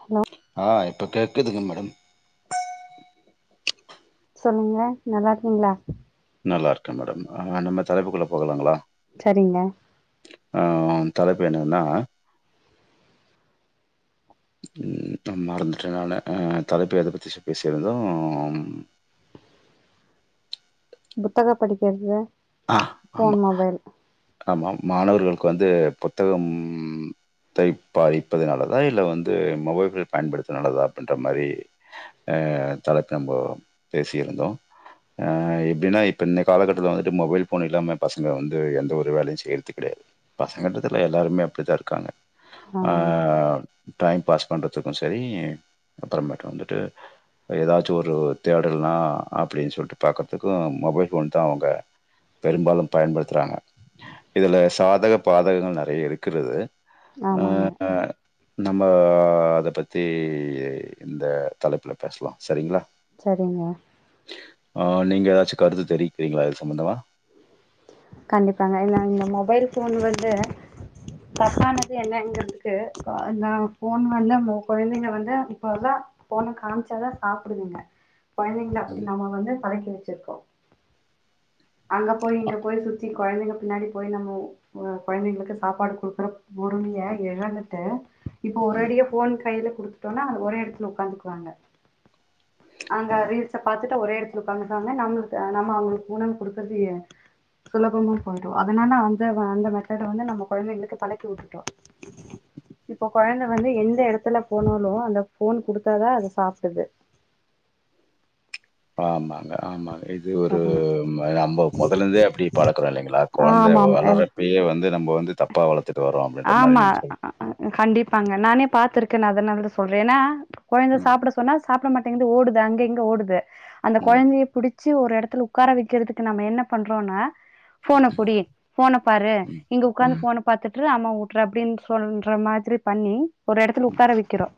Hello ஆ இப்ப கேக்குதுங்க மேடம் சொல்லுங்க நல்லா இருக்கீங்ளா நல்லா இருக்கேன் மேடம் ஆ நம்ம தலைப்புக்குள்ள போகலாங்களா சரிங்க ஆ தலைப்பு என்னன்னா ம் நா மறந்துட்டேன் நானு அங் தலைப்பு எத பத்தி பேசியிருந்தோம் புத்தக படிக்கிறத ஆ ஃபோன் ஆமா மொபைல் ஆமா மாணவர்களுக்கு வந்து புத்தகம் தை பதிப்பது நல்லதா இல்ல வந்து மொபைல்கள் பயன்படுத்துவது நல்லதா அப்டின்ற மாரி அ தலைப்ப நம்போ பேசியிருந்தோ அ எப்டின்னா இப்ப இன்னைய காலகட்டத்துல வந்துட்டு மொபைல் ஃபோன் இல்லாம பசங்க வந்து எந்த ஒரு வேலையு செய்றது கேடையாது பசங்கன்றதுல எல்லாருமே அப்படித்தா இருக்காங்க ஆ ஆமாங்க டைம் பாஸ் பண்றதுக்கு சரி அப்பறமேட்டு வந்துட்டு ஏதாச்சு ஒரு தேடல்னா அப்டின் சொல்லிட்டு பாக்கறதுக்கும் மொபைல் ஃபோன் தான் அவுங்க பெரும்பாலும் பயன்படுத்துறாங்க இதுல சாதக பாதகங்கள் நெறைய இருக்கிறது அஹ் ஆமாங்க நம்ம அத பத்தி இந்த தலைப்புல பேசலா சரிங்ளா சரிங்க ஆ நீங்க ஏதாச்சு கருத்து தெரிவிக்கிறீங்களா இது சம்பந்தமா கண்டிப்பாங்க இந்த இந்த மொபைல் போன் வந்து தத்தானது என்னங்கிறதுக்கு நா போன் வந்து குழந்தைங்க வந்து இப்பல்லாம் போன காமிச்சாதான் சாப்டுதுங்க கொழந்தைங்கள ம் அப்புடி நம்ம வந்து பழகி வச்சிருக்கோம் அங்க போய் இங்க ஆ- போய் சுத்தி கொழந்தைங்க பின்னாடி போய் நம்ம கொழந்தைங்களுக்கு சாப்பாடு குடுக்குற பொறுமைய எழந்துட்டு இப்ப ஒரேடியா போன் கைல குடுத்துட்டோம்னா அது ஒரே இடத்துல உட்காந்துக்குவாங்க அங்க ஆமாம் ரீல்ஸ பாத்துட்டா ஒரே எடத்துல உக்காந்துகுவாங்க நம் நம்ம அவங்களுக்கு உணவு குடுக் வல்லியே சுலபமா போய்டும் அதனால அந்த அந்த மெத்தேட வந்து நம்ம கொழந்தங்களுக்கு பழக்கி விட்டுட்டோம் இப்ப கொழந்த வந்து எந்த எடத்துல போனாலும் அந்த போன் குடுத்தாதான் அத சாப்டுது ஆமாங்க ஆமாங்க இத் து ஒரு நம்ப மொதலந்தே அப்புடி பழக்கறோம் இல்லைங்ளா கொழந்தை ஆமா ஆமா வளர பிள்ளைய வந்து நம்ப வந்து தப்பா வளத்துட்டு வர்றோம் அப்டின்ற மாரி ஆமா நீங்க சொல் அ அ கண்டிப்பாங்க நானே பாத்திருக்கேன் நா அதனால சொல்றேன் ஏன்னா கொழந்த சொல்லுங்க சாப்ட சொன்னா சாப்ட மாட் ந்து ஓடுது அங்க இங்க ஓடுது அந்த ம், கொழந்தய புடிச் சு ஒரு எடத்துல உக்கார வைக்கிறதுக்கு நம்ம என்ன பண்றோன்னா ஃபோன புடி ஃபோன பாரு ம், இங்க உக்காந்து ம், ஃபோனை பாத்துட் ரு அம்மா ஊட்றே அப்டின்னு சொல்ற மாதிரி பண்ணி ஒரு இடத்துல உட்கார ம், வைக்கிறோ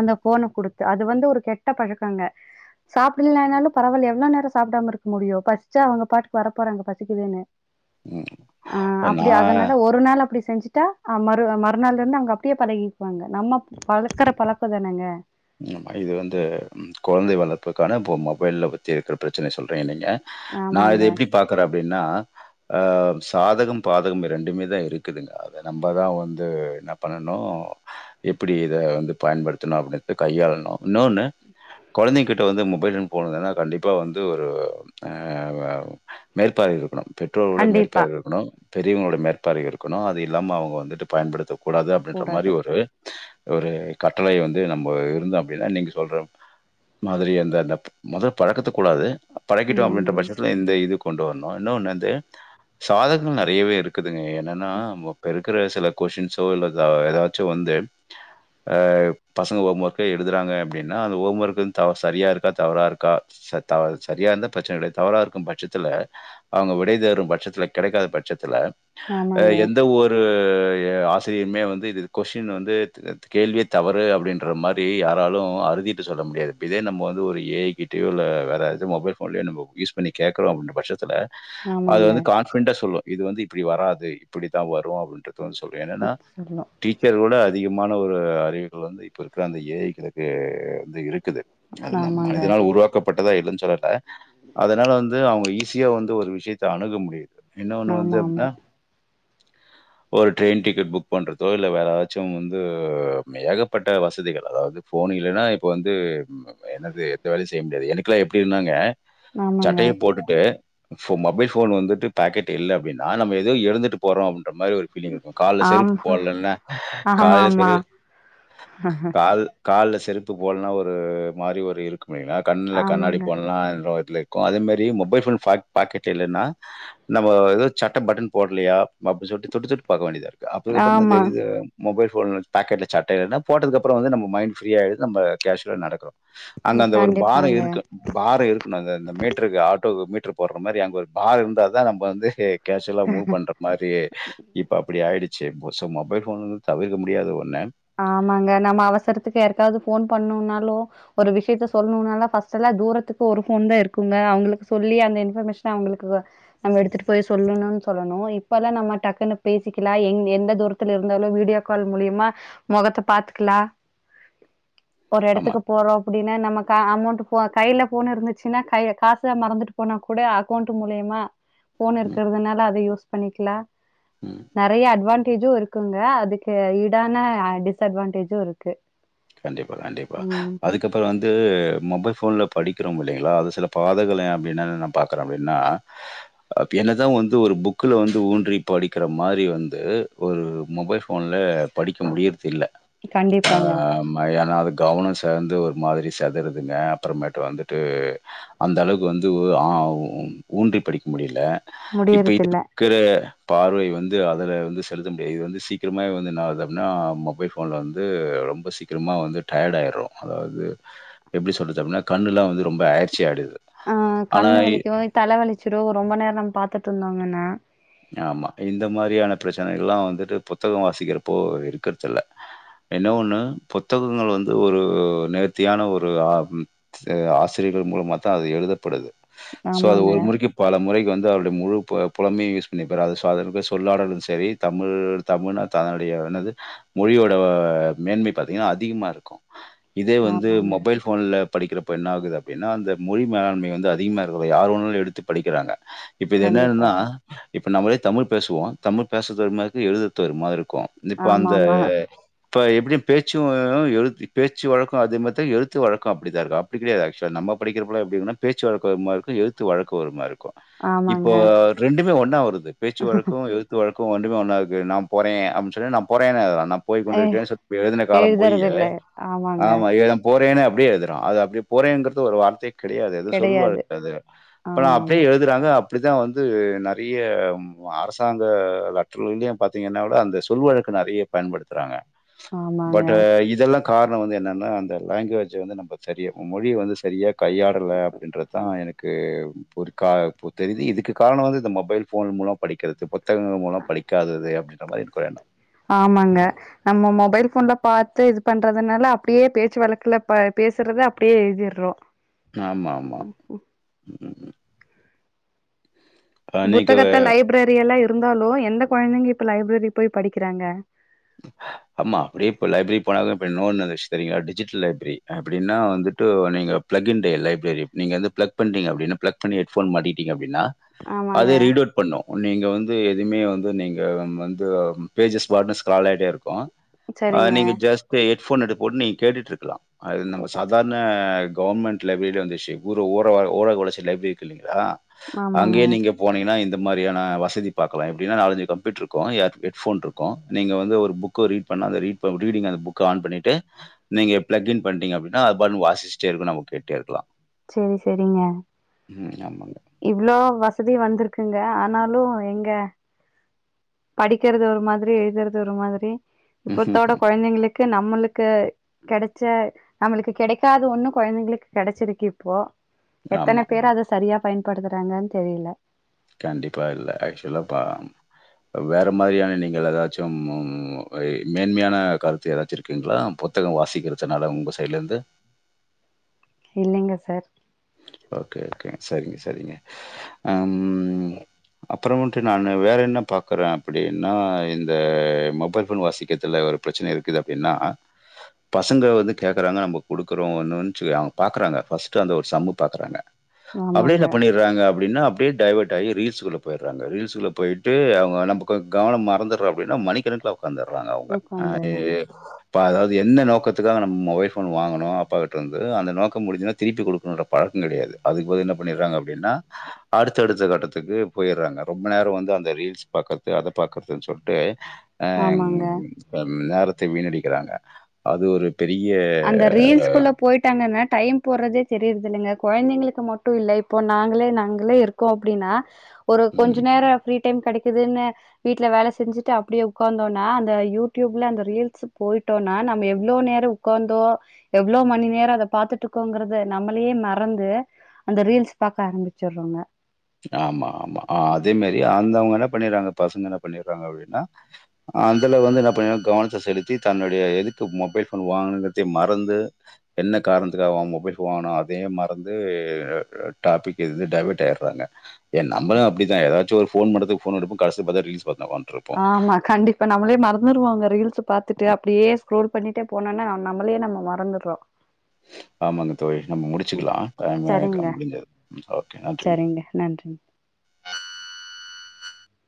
அந்த போன குடுத்து அது வந்து ஒரு கெட்ட பழக்கங்க சாப்பிடலைனாலு பரவாயில்ல எவ்ளோ நேரம் சாப்பிடாம இருக்க முடியும் பசிச்சா அவங்க பாட்டுக்கு வர போறாங்க பசிக்குதுன்னு ம். ஆ அப்டி நான் அதனால ஒரு நாள அப்டி செஞ்சுட்டா மறு மறுநாள்ல இருந்து அவங்க அப்டியே பழகிக்குவாங்க நம்ம பழக்கற பழக்க தானங்க ம்மா இது வந்து குழந்தை வளர்ப்புக்கான இப்போ மொபைல் வச்சி இருக்கிற பிரச்சனை சொல்றீங்க நீங்க நா ஆமாங்க இத எப்டி பாக்றே அப்டின்னா ஆ சாதகம் பாதகம் ரெண்டுமே தா இருக்குதுங்க அத நம்ம தா வந்து என்ன பண்ணணு எப்டி இத வந்து பயன்படுத்தணு அப்டின்னு கையாளனு இன்னொன்னு குழந்தைங்க கிட்ட வந்து மொபைல் போனுதுன்னா கண்டிப்பாக வந்து ஒரு மேற்பார்வை இருக்கணு பெற்றோர்களோட கண்டிப்பா மேற்பார்வை இருக்கணு பெரியவங்களோட மேற்பார்வை இருக்கணு அது இல்லாம அவங்க வந்துட்டு பயன்படுத்த கூடாது அப்டின்ற மாரி கூடாது ஒரு ஒரு கட்டளையை வந்து நம்ம ஒரு இருந்த அப்டின்னா நீங்க சொல்ற மாதிரி அந்த அந்த முத பழக்கத்த கூடாது பழக்கிட்டோ அப்டின்ற ஆமாங்க பட்சத்துல இந்த இது கொண்டு வரணு இன்னு ஒன்னு வந்து சாதகங்க நெறையவே இருக்குதுங்க என்னன்னா இப்ப இருக்கிற சில கொஷின்ஸோ இல்ல ஏதாது ச்சு வந்து அ ஃபஸ் ஹோம் ஒர்க் எழுதுறாங்க அப்டின்னா அந்த ஹோம் ஒர்க் வந்து சரியா இருக்கா தவறா இருக்கா ச தா சரியா இருந்த பிரச்சன இல்ல தவறா இருக்கும் பட்சத்துல அவங்க விடை தேடும் பட்சத்துல கிடைக்காத பட்சத்துல அ ஆமாங்க எந்த ஒரு ஒரு ஆசிரியருமே வந்து இது கொஸ்டின் வந்து கேள்வியே தவறு அப்டின்னு ஒரு மாறி யாராலு அறுதியிட்டு சொல்ல முடியாது இப்ப இதே நம்ம வந்து ஒரு ஏ ஐ கிட்டையோ இல்ல வேற ஏதாவது மொபைல் போன்ல நம்ம யூஸ் பண்ணி கேக்றோ அப்டின்ற பட்சத்துல அது ஆமாங்க வந்து கான்பிடண்ட்டா சொல்லு இது வந்து இப்டி வராது இப்டிதா வரும் அப்டின்டு தொன் சொல்லு என்னன்னா சொல்லு டீச்சர விட அதிகமான ஒரு அறிவுகள் வந்து இப்ப இருக்கிற அந்த ஏ ஐகளுக்கு வந்து இருக்குது அது நம் ஆமாங்க மனிதனால் உருவாக்கப்பட்டததுதா இல்லைன்னு சொல்லல அதனால வந்து அவுங்க ஈஸியா வந்து ஒரு விஷயத்த அணுக முடிது இன்னோ ஒண்ணு வந்து ஆமா ஆமா எப்டின்னா ஒரு ட்ரெய்ன் டிக்கெட் புக் பண்றதோ இல்ல வேற ஏதாச்சு வந்து ஏக பட்ட வசதிகள் அதாவது ஃபோன் இல்லன்னா இப்போ வந்து நம்ம என்னது எந்த வேலையு செய்ய முடியாது எனக்குல்லா எப்டினாங்க ஆமாங்க சட்டைய போட்டுட்டு ஃபோ மொபைல் ஃபோன் வந்துட்டு பாக்கெட் இல்ல அப்டின்னா நம்ம ஏதயோ இழந்துட்டு போறோ அப்டின்ற மாரி ஒரு ஃபீலிங் இருக்கு கால்ல செருப்பு ஆமா போட்லன்னா கால்ல செரு ஆ ஆ அது கால்ல செருப்பு போல்னா ஒரு மாரி ஒரு இருக்குமே அ கண்ல கண்ணாடி ஆமாங்க போட்லனா [unintelligible] இருக்கு அதே மாரி மொபைல் ஃபோன் ப பாக்கெட்ல இல்லன்னா நம்ம ஏதோ சட்ட பட்டன் போட்லையா அப்டி சொல்ட்டு தொட்டு தொட்டு பாக்க வேண்டியதாருக் அப்பய்கப்பந்தா ஆமா தெரிது மொபைல் ஃபோன் பேக்கட்ல சட்டைல்ல போட்டதுக்கப்றோ வந்து நம்ம மைண்ட் ஃப்ரீ ஆய்டுது நம்ம கேஷுவலா நடக்குறோ அந்த ம், அந்த ஒரு பாரோ கண்டிப்பாங்க இருக்கு பாரோ இருக்கணு அ இந்த மீட்டருக்கு ஆட்டோக்கு மீட்டரு போடுற மாரி அங்க ஒரு பாரோ இருந்தாதா நம்ம வந்து கேஷ்ஸுல மூவ் பண்ற மாறி இப்ப அப்டி ஆய்டுச்சு சோ மொபைல் ஃபோன் வந்து தவிர்க்க முடியாத ஒண்ணு ஆமாங்க நம்ம அவசரத்துக்கு யார்க்காவது ஃபோன் பண்ணுனாலு ஒரு விஷயத்த சொல்னுனாலு ஃப்ர்ஸ்ட்டுல்லா தூரத்துக்கு ஒரு ஃபோன் தா இருக்குங்க அவங்களுக்கு சொல்லி அந்த இன்ஃபர்மேஷன அவங்களுக்கு நம்ம எடுத்துட்டு போய் சொல்லணுன் சொல்லணு இப்பல்லா நம்ம டக்குன்னு பேசிக்கலா எங் எந்த தூர த்துல இருந்தாலு வீடியோ கால் மூலியமா மொகத்த பாத்துக்கலா ஒரு ஆமா. எடத்துக்கு போறோ அப்படின்னா நமக் கா அமௌண்ட் போ கையில ஃபோனு இருந்துச்சுன்னா கை காச மறந்துட்டு போனா கூட அக்கௌண்ட் மூலியமா ஃபோன் ம், இருக்கிறதுனால அத யூஸ் பண்ணிக்லா ம். நெறைய அட்வான் டேஜு இருக்குங்க அதுக்கு ஈடான டிஸ் அட்வான்டேஜு இருக்கு கண்டிப்பா கண்டிப்பா ம். அதுக் இப்ப வந்து மொபைல் ஃபோன்ல படிக்கிறோம் இல்லேங்களா அது சில பாதகளை அப்டின்னு நா பாக்குற அப்டின்னா அ என்னதா வந்து ஒரு புக்ல வந்து ஊன்றி படிக்கிற மாரி வந்து ஒரு மொபைல் ஃபோன்ல படிக்க முடியிறது இல்ல கண்டிப்பாங்க அம் ம்மா ஏன்னா அது கவனோ சேந்து ஒரு மாதிரி செதுறுதுங்க அப்றமேட்டு வந்துட்டு அந்த அளவுக்கு வந்து உ ஆ ஊன்றி படிக்க முடியல இப்ப இ முடியறதில்ல இருக்கிற பார்வை வந்து அதுல வந்து செலுத்த முடியாது இது வந்து சீக்கிரமாவே வந்து என்னாது அப்டின்னா மொபை ஃபோ ஃபோன்ல வந்து ரொம்ப சீக்கிரமா வந்து டயர்ட் ஆயிர்றோ அதாவது எப்டி சொல்றது அப்டின்னா கண்ணுல்லா வந்து ரொம்ப அயற்சி ஆய்டுது ஆ கண்ணு வலிக்கு தல வலிச்சுடு ரொம்ப நேரோ நம்ம பாத்துட்டு இருந்தோங்கன்னா ஆமா இந்த மாதிரியான பிரச்சனைகள்ல்லா வந்துட்டு புத்தகோ வாசிக்கிறப்போ இருக்கறது இல்ல என்ன ஒண்ணு புத்தகங்கள் வந்து ஒரு நேர்த்தியான ஒரு ஆ சே ஆசிரியர்கள் மூலமாத்தா அது எழுதப்படுது சோ அது ஆமாங்க ஒரு முறைக்கு பல முறைக்கு வந்து அவருடைய முழு பு புலமயு யூஸ் ண்ணிப்பார் அது அதனுக்கு சொல்லாடலு செரி தமிழ் தமிழ்னா தான்னுடைய என்னது மொழியோட மேன்மை பாத்தீங்கன்னா அதிகமா இருக்கு இதே வந்து ஆமாங்க மொபைல் ஃபோன்ல படிக்கிறப்ப என்ன ஆகுது அப்டின்னா அந்த மொழி மேலாண்மை வந்து அதிகமா இருக்கல யாரு வேண்ணாலு எடுத்து படிக்கிறாங்க இப்ப இது கண்டிப்பா என்னாதுன்னா இப்ப நம்மளே தமிழ் பேசுவோ தமிழ் பேசுறது ஒரு மாரி எழுதுற து ஒரு மாரி இருக்கு இப்போ ஆமா அந்த ஆமா இப்ப எப்டி பேச்சு அ எழுத் பேச்சு வழக்கு அதே மாத்த எழுத்து வழக்கு அப்படித்தா இருக்கா அப்டி கெடையா ஆக்சுவலா நம்ம படிக்கிறப்போல்லா எப்படி இருக்கும்னா பேச்சு வழக்கு ஒரு மாரி இருக்கு எழுத்து வழக்கு ஒரு மாரி இருக் கு ஆமாங்க இப்போ ரெண்டுமே ஒன்னா வருது பேச்சு வழக்கு எழுத் த்து வழக்கு ரெண்டுமே ஒன்னா இருக்கு நா போறே அப்ன்னு சொல்லி நா போறேன்னு எழுதுறான் நா போய் ஏ கொண்டிருக்கே சொல்லி எழுதுன காலம் போயி எழுதுறது இல்ல ஆமாங்க ஆமா ஏழம் போறேன்னு அப்டியே எழுதுறான அது அப்டியே போறேங்றது ஒரு வார்த்தெ கெடயாது எதொ சொல் கெடையாது னவழக்கு அது இப்ப நா ஆமா அப்டியே ஆமா எழுதுறாங்க அப்டிதா வந்து நெறைய அரசாங்க லெட்டர்லயு பாத்திங்கனா ஒட அந்த சொல் வழக்கு நெறைய பயன்படுத்துறாங்க ஆமாங்க பட் இதெல்லா காரணொ வந்து என்னன்னா அந்த லாங்வேஜ் வந்து நம்ப சரியா மொழிய வந்து சரியா கையாடல அப்டின்றதா எனக்கு புரி கா தெரிது இதுக்கு காரணொ வந்து இந்த மொ மொபைல் ஃபோன் மூலம் படிக்கிறது புத்தகங்கள் முலம் படிக்காதது அப்டின்ற மாரி எனக்கு ஒரு எண்ணம் ஆமாங்க நம்ம மொபைல் ஃபோன்ல பாத்து இது பண்றதுனால அப்டியே பேச்சு வழக்குல பேசுறது அப்டியே எழுதிறோ ஆமா ஆமா ம் அ நீங்க புத்தகத்த லைப்ரரி எல்லா இருந்தாலு எந்த கொழந்தைங்க இப்ப லைப்ரரி போய் படிக்கிறாங்க [inaudible] ஆமா அப்டியே இப்போ லைப்ரரி போனாலு இப்ப இன்னோன்னு வந்த்ச் தெரியுங்ளா டிஜிட்டல் லைப்ரரி அப்டின்னா வந்துட்டு நீங்க பிளக் இன் டே லைப்ரரி நீங்க வந்து பிளக் பண்டிங்க அப்டின்னா பிளக் பண்ணி ஹெட்ஃபோன் மாட்டிகிட்டீங்க அப்டின்னா ஆமாங்க அதே ரீட் அவுட் பண்ணு நீங்க வந் து எதுமே வந்து நீங்க வந்து அம் பேஜஸ் பாட்ன் ஸ்க்ரால் ஆயிட்டே இருக்கு அ சரிங்க நீங்க ஜஸ்ட் ஹெட்ஃபோன் எடுப் போட்டு நீங்க கேட்டுட் இருக்கலா அது நம்ப சாதார்ண கவொர்ன்மெண்ட்ல வீடு வந்துச்சு [unintelligible] ங்களா ஆமாங்க அங்கெயே நீங்க போனிங்கன்னா இந்த மாரியான வசதி பாக்கலா எப்டின்னா நாலஞ்சு கம்ப்யூட்ர் இருக்கு யா ஹெட்ஃபோன் இருக்கு நீங்க வந்து ஒரு புக்கு ரீட் பண்ணா அந்த ரீட் பண்ணட்டு நீங்க அந்த புக்க ஆன் பண்ணிட்டு நீங்க பிளக் இன் பண்ட்டீங்க அப்டின்னா அது பாட்டு வாசிச்சுட்டே இருக்கு நம்ம கேட்டுட்டே இருக்கலா சேரி சேரிங்க ஆமாங்க. இவ்ளோ வசதி வந்திருக்குங்க ஆனாலு எங்க படிக்கிறது ஒரு மாதிரி எழுதுறது ஒரு மாதிரி ம்ஹும். இப்பருத்தோட கொழந்தைங்களே நம்மளுக்கு கெடச்ச நம்மளுக்கு கெடைக்காத ஒன்னு கொழந்தைங்களுக் கெடச்சிருக்கு இப் இப்போ ஆமா. எத்தன பேரு அத சரியா பயன்படுத்துறாங்கன் தெரியல கண்டிப்பா இல்ல ஆக்சுவ்லா ப வேற மாதிரியான நீங்கள் எதாச்சும் மேன்மையான கருத்து எதாச்சும் இருக்குங்ளா புத்தக வாசிக்கிறச்சன்னால உங்க சைட்ல இருந்து இல்லைங்க சார் ஓகே ஓகே சரிங்க சரிங்க ம் அப்பறமட்டு நா வேற என்ன பாக்குறே அப்டின்னா இந்த மொபைல் ஃபோன் வாசிக்கத்துல ஒரு ப்ரச்சன இருக்குது அப்டின்னா பசங்க வந்து கேட்குறாங்க நம்ம குடுக்குறோ [unintelligible] அவ்க பாக்கறாங்க ஃபஸ்ட்டு அந்த ஒரு சம்மு பாக்கறாங்க அப்டி ஆமாங்க. என்ன பண்ணிரு றாங்க அப்டின்னா அப்டியே டைவர்ட் ஆகி ரீல்ஸ்குள்ள போயறாங்க ரீல்ஸ் போயிட்டு அவுங்க நம்ப கொ கவனொ மறந்துற அப்டின்னா மணிக்கணக்கல உட்காந்துறாங்க அவுங்க அ உட்காந்துர்றாங்க. இப்ப அதாவது என்ன நோக்கத்துக்காக நம்ம மொபைல் ஃபோன் வாங்குனோ அப்பா கிட்ட இருந்து அந்த நோக்கொ முடிஞ்சனா திருப்பி குக்கணுன்ற பழக்கங் கெடையாது அதுக்கு பதில் என்ன பண்ணிறாங்க அப்டின்னா அடுத்த அடுத்த கட்டத்துக்கு போயறாங்க ரொம்ப நேரொ வந்து அந்த ரீல்ஸ் பாக்கர்து அத பாக்கர்துன் சொல்ட்டு அ ஆமாங்க. நேரத்தை வீணடிக்கிறாங்க அது ஒரு பெரிய அந்த ரீல்ஸ்குள்ள போயிட்டாங்கன்னா டைம் போறதே தெரியிறதுல்லைங்க கொழந்தைங்களுக்கு மட்டும் இல்ல இப்போ நாங்களே நாங்களே இருக்க க்கோ அப்படின்னா ஒரு ம். கொஞ்சம் நேரம் ஃப்ரீ டைம் கிடைக்குதுன்னு வீட்டுல வேலை செஞ்சுட்டு அப்படியே உக்காந்தோம்னா அந்த யூடியூப்ல அந்த ரீல்ஸ் போயிட்டோம்னா நாம எவ்வளவு நேரம் உக்காந்தோம் எவ்வளோ மணி நேரம் அதை பாத்துட்டு இருக்கோங்கறத நம்மளயே மறந்து அந்த ரீல்ஸ் பாக்க ஆரம்பிச்சிடுறோங்க ஆமா ஆமா ஆ அதே மாதிரி அந்தவுங்க என்ன பண்ணறாங்க பசங்க என்ன பண்ணிடுறாங்க அப்படின்னா அதுல வந்து என்ன பண்ணிறாங்க கவனத்தை செலுத்தி தன்னுடைய எதுக்கு மொபைல் ஃபோன் வாங்குனோங்றதே மறந்து என்ன காரணத்துக்காக மொபைல் ஃபோன் வாங்குனோ அதே மறந்து டாபிக் இது வந்து டவேட் ஆகிடுறாங்க ஏ நம்மள அப்படி தான் ஏதாச்சி ஒரு ஃபோன் எடுத்து [unintelligible] கடைசில ரிலீஸ் பாத்துட்டு உக்காந்து இருப்போம் ஆமா கண்டிப்பா நம்ளே மறந்துடுவோங்க ரீல்ஸ் பாத்துட்டு அப்படியே ரோல் பண்ணிட்டே போனோனா நம்மளே நம்ம மறந்துறோம் ஆமாங்க தோழி நம்ம ம் முடிச்சுக்கலாம் டைம் அ சரிங்க முடிந்தது ஓகே நன்றிங்க சரிங்க. நன்றி.